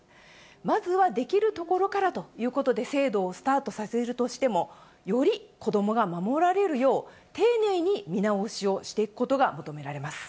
まずはできるところからということで制度をスタートさせるとしても、より子どもが守られるよう、丁寧に見直しをしておくことが求められます。